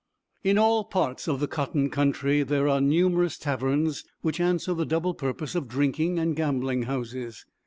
In all parts of the cotton country there are numerous taverns, which answer the double purpose of drinking and gambling houses.